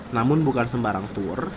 namun bukan sembarang tour